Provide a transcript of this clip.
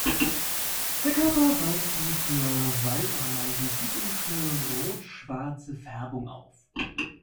Der Körper weist die für Waldameisen typische rot-schwarze Färbung auf.